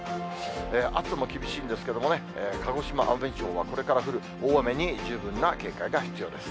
暑さも厳しいんですけれどもね、鹿児島、奄美地方は、これから降る大雨に十分な警戒が必要です。